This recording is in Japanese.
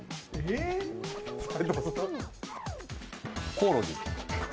コオロギ。